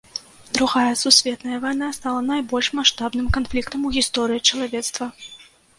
Другая сусветная вайна стала найбольш маштабным канфліктам у гісторыі чалавецтва.